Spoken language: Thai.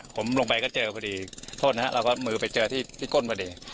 ผมลงไปก็เจอพอดีโทษนะครับเราก็มือไปเจอที่ก้นพอดี